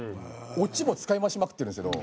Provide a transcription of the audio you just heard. オチも使い回しまくってるんですけど。